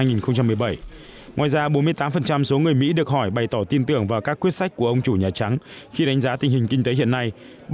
ngoài ra bốn mươi tám số người mỹ được hỏi bày tỏ tin tưởng vào các quyết sách của ông chủ nhà trắng khi đánh giá tình hình kinh tế hiện nay